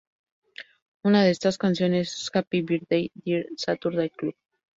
Una de estas canciones, es "Happy Birthday, Dear Saturday Club".